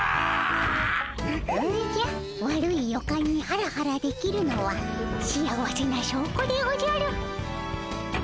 おじゃ悪い予感にハラハラできるのは幸せなしょうこでおじゃる。